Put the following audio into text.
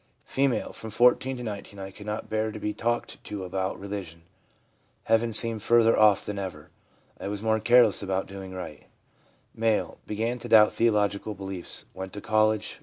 F. c From 14 to 19 I could not bear to be talked to about religion. Heaven seemed further off than ever. I was more careless about doing right/ M. ' Began to doubt theological beliefs. Went to college.